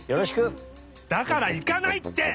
だからいかないって！